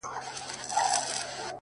رمې دي د هغه وې اې شپنې د فريادي وې؛